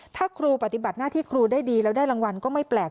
ถ้าครูปฏิบัติหน้าที่ครูได้ดีแล้วได้รางวัลก็ไม่แปลก